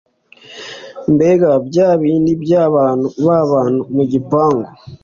mbega bya bindi by’abantu babana mu gipangu